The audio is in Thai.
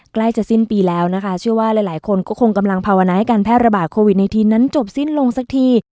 ใกล้จะสิ้นปีแล้วนะคะเชื่อว่าหลายคนก็คงกำลังภาวนาให้การแพร่ระบาดโควิด๑๙นั้นจบสิ้นลงสักที